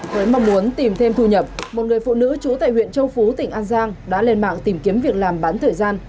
với mong muốn tìm thêm thu nhập một người phụ nữ trú tại huyện châu phú tỉnh an giang đã lên mạng tìm kiếm việc làm bán thời gian